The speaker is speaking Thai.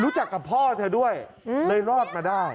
รู้จักกับพ่อเธอด้วยเลยรอดมาได้